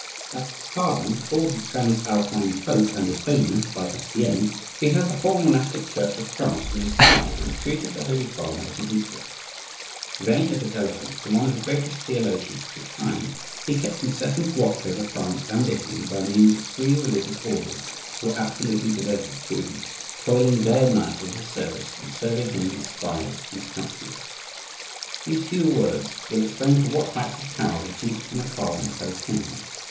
As for the cardinal, called the transalpine pope, and his Holiness, by Estienne, he had the whole monastic Church of France on his side, and treated the Holy Father as an equal. Vain of his eloquence, and one of the greatest theologians of his time, he kept incessant watch over France and Italy by means of three religious orders who were absolutely devoted to him, toiling day and night in his service and serving him as spies and counsellors. These few words will explain to what heights of power the duke and the cardinal had attained.